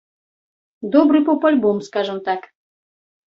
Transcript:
Добры поп-альбом скажам так.